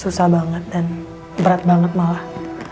susah banget dan berat banget malah